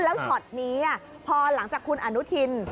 แล้วช็อตนี้พอหลังจากคุณอนุทิน